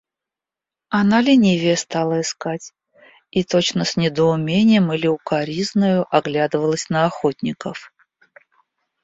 Она ленивее стала искать и точно с недоумением или укоризною оглядывалась на охотников.